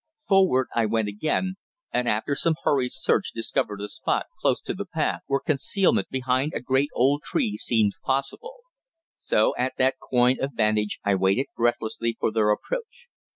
Forward I went again, and after some hurried search discovered a spot close to the path where concealment behind a great old tree seemed possible; so at that coign of vantage I waited breathlessly for their approach.